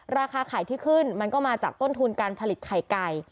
ราคาไข่ที่ขึ้นมันก็มาจากต้นทุนการผลิตไข่ไก่